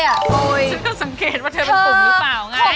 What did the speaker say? ฉันก็สังเกตว่าเธอเป็นปุ่มหรือเปล่าไง